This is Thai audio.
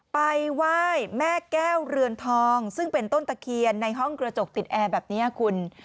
ไปไหว้แม่แก้วเรือนทองซึ่งเป็นต้นตะเคียนในห้องกระจกติดแอร์แบบนี้คุณ